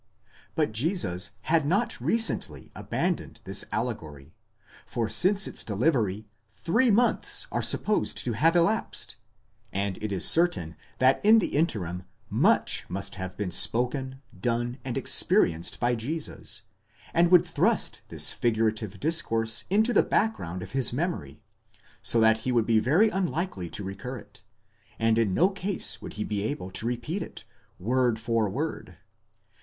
4!_ But Jesus had not recently abandoned this allegory; for since its delivery three months are supposed to have elapsed, and it is certain that in the interim much must have been spoken, done, and experienced by Jesus, that would thrust this figurative discourse into the background of his memory, so that he would be very unlikely to recur to it, and in no case would he be able to repeat it, word for word.